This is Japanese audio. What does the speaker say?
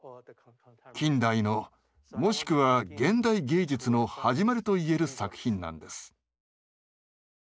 近代のもしくは現代芸術の始まりと言える作品なんです。